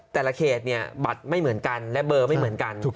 แต่ละเขตเนี่ยบัตรไม่เหมือนกันและเบอร์ไม่เหมือนกัน